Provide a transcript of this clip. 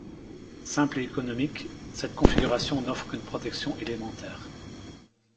Simple et économique, cette configuration n'offre qu'une protection élémentaire.